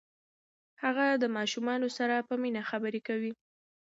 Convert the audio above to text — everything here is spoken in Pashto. هغه د ماشومانو سره په مینه خبرې کوي.